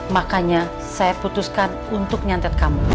makanya saya putuskan untuk nyantet kamu